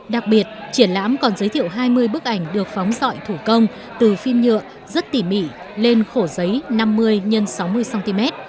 đặc biệt triển lãm còn giới thiệu hai mươi bức ảnh được phóng xọi thủ công từ phim nhựa rất tỉ mỉ lên khổ giấy năm mươi x sáu mươi cm